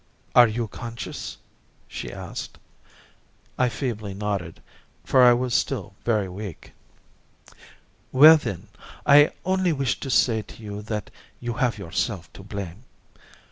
"Are you conscious?" she asked. I feebly nodded for I was still very weak. "Well; then, I only wished to say to you that you have yourself to blame.